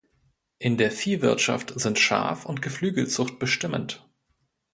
In der Viehwirtschaft sind Schaf- und Geflügelzucht bestimmend.